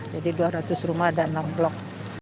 jadi dua ratus rumah ada enam blok